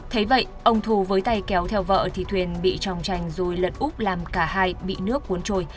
thấy vậy ông thu với tay kéo theo vợ thì thuyền bị tròng tranh rồi lật úp làm cả hai bị nước cuốn trôi